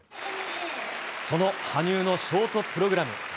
その羽生のショートプログラム。